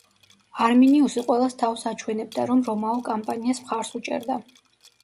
არმინიუსი ყველას თავს აჩვენებდა, რომ რომაულ კამპანიას მხარს უჭერდა.